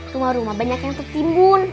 rumah rumah banyak yang tertimbun